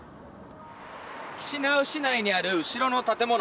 キシナウ市内にある後ろの建物